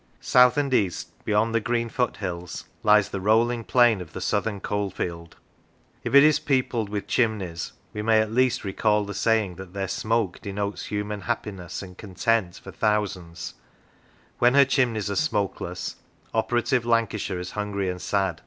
South and east, beyond the green foot hills, lies the rolling plain of the southern coal field. If it is peopled with chimneys, we may at least recall the saying that their smoke denotes human happiness and content for thousands: when her chimneys are smokeless, operative Lancashire is hungry and sad.